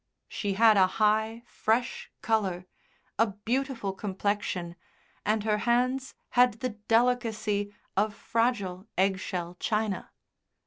She had a high, fresh colour, a beautiful complexion and her hands had the delicacy of fragile egg shell china.